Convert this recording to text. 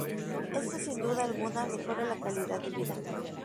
Esto sin duda alguna mejora la calidad de vida.